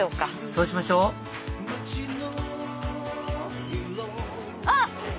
そうしましょうあっ！